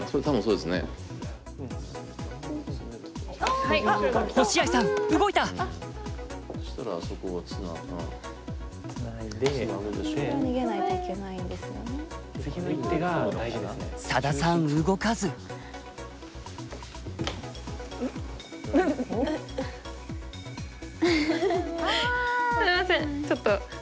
すいませんちょっと。